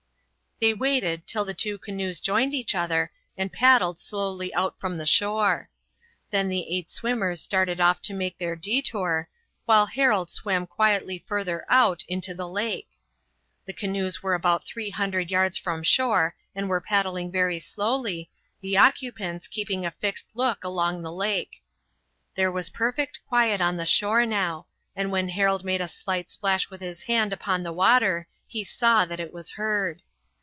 They waited till the two canoes joined each other and paddled slowly out from the shore. Then the eight swimmers started off to make their détour, while Harold swam quietly further out into the lake. The canoes were about three hundred yards from shore and were paddling very slowly, the occupants keeping a fixed look along the lake. There was perfect quiet on the shore now, and when Harold made a slight splash with his hand upon the water he saw that it was heard.